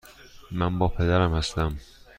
من با پدرم هستم.